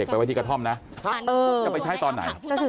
ไปที่ถ้ำนะ